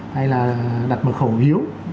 hay là đặt mật khẩu hiếu